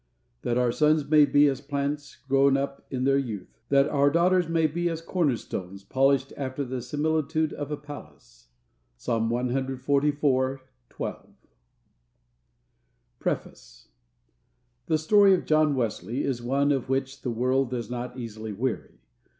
"_That our sons may be as plants grown up in their youth; that our daughters may be as corner stones, polished after the similitude of a palace._" PSALM CXLIV. 12. PREFACE. THE Story of John Wesley is one of which the world does not easily weary.